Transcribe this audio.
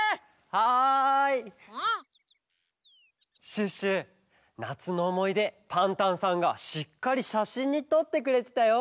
シュッシュなつのおもいでパンタンさんがしっかりしゃしんにとってくれてたよ。